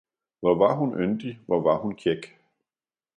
Hvor var hun yndig, hvor var hun kjæk.